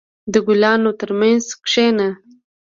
• د ګلانو ترمنځ کښېنه.